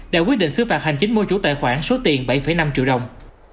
đã quyết định xứ phạt hành chính môi chú tài khoản số tiền bảy năm triệu đồng